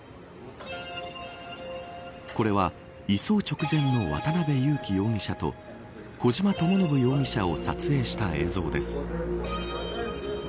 これは、移送直前の渡辺優樹容疑者と小島智信容疑者を撮影した映像です。